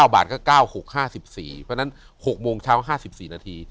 บาทก็๙๖๕๔เพราะฉะนั้น๖โมงเช้า๕๔นาที